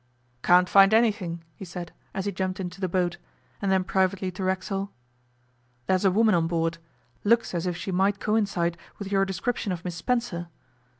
'Can't find anything,' he said, as he jumped into the boat, and then privately to Racksole: 'There's a woman on board. Looks as if she might coincide with your description of Miss Spencer.